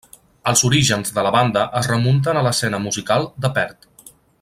Els orígens de la banda es remunten a l'escena musical de Perth.